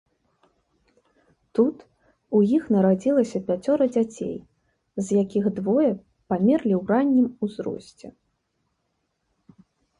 Тут у іх нарадзіліся пяцёра дзяцей, з якіх двое памерлі ў раннім узросце.